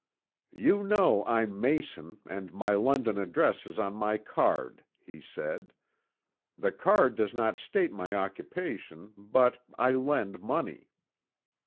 "You know I'm Mayson, and my London address is on my card," he said. "The card does not state my occupation, but I lend money."